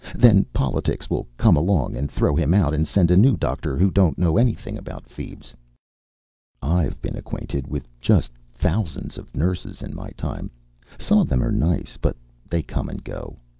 Then politics will come along and throw him out and send a new doctor who don't know anything about feebs. I've been acquainted with just thousands of nurses in my time. Some of them are nice. But they come and go.